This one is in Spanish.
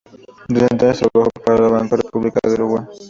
Desde entonces trabajó para el Banco República de Uruguay.